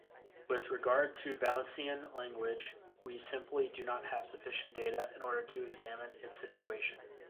With regard to Valencian language, we simply do not have sufficient data in order to examine its situation.